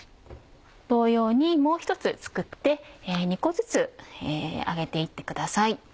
同様にもう１つ作って２個ずつ揚げて行ってください。